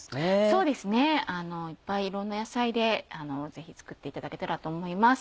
そうですねいっぱいいろんな野菜でぜひ作っていただけたらと思います。